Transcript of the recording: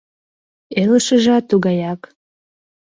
Илышыжат тугаяк.